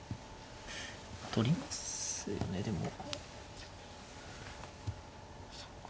取りますよねでも。